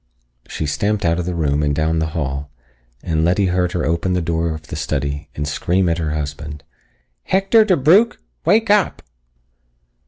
She stamped out of the room and down the hall, and Letty heard her open the door of the study and scream at her husband. "Hector DeBrugh! Wake up!"